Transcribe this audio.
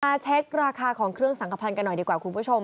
เช็คราคาของเครื่องสังขพันธ์กันหน่อยดีกว่าคุณผู้ชม